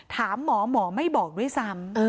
ถามหมอหมอไม่บอกด้วยซ้ำ